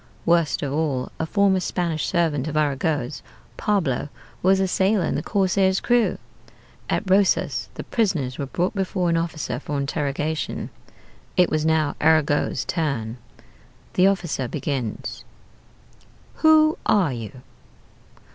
Worst of all, a former Spanish servant of Arago's Pablo was a sailor in the corsair's crew! At Rosas the prisoners were brought before an officer for interrogation. It was now Arago's turn. The officer begins: "'Who are you?'